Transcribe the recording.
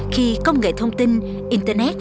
khi công nghệ thông tin internet